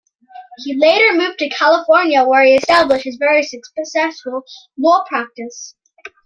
He later moved to California where he established his very successful law practice.